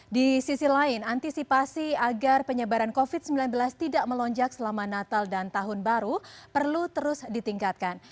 di sisi lain antisipasi agar penyebaran covid sembilan belas tidak melonjak selama natal dan tahun baru perlu terus ditingkatkan